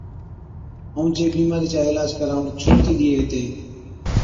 ائُون جي بِيمارِي چا عِلاج ڪراوَڻ ڇوڙتِي ڏِيئي هِتين۔